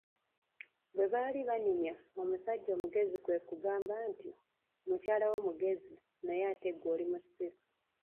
Bwe baali banyumya, omusajja omugezi kwe kugamba nti, mukyala wo mugezi, naye ate gwe oli musiru.